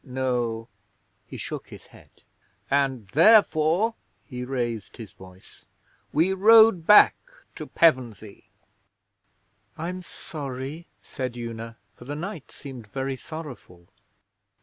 No!' He shook his head. 'And therefore' he raised his voice 'we rode back to Pevensey.' 'I'm sorry,' said Una, for the knight seemed very sorrowful.